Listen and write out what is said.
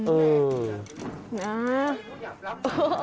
เออ